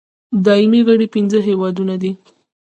دایمي غړي پنځه هېوادونه دي.